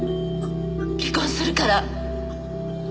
離婚するから。